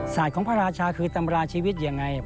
ศาสตร์ของพระราชาคือตำราชีวิตอย่างไร